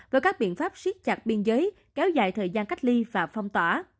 với các biện pháp siết chặt biên giới kéo dài thời gian cách ly và phong tỏa